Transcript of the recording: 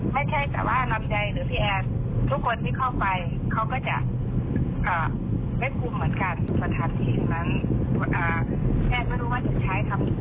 ไม่ได้ใส่เพื่อขึ้นคอนเซิร์ตนะคะ